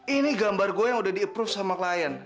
ini gambar gue yang udah di approve sama klien